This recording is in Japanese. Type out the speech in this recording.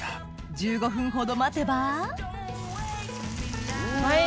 １５分ほど待てばはい。